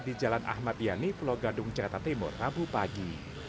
di jalan ahmad yani pulau gadung jakarta timur rabu pagi